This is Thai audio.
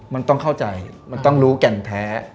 มันต้องเข้าใจมันต้องรู้แก่นแท้